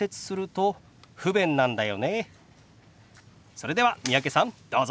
それでは三宅さんどうぞ！